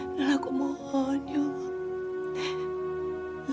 dan aku mohon ya allah